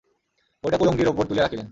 বইটা কুলঙ্গির উপর তুলিয়া রাখিলেন।